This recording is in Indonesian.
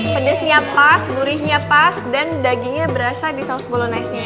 pedesnya pas gurihnya pas dan dagingnya berasa di saus bolognese nya